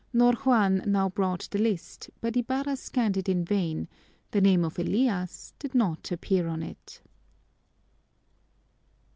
Ñor Juan now brought the list, but Ibarra scanned it in vain; the name of Elias did not appear on it!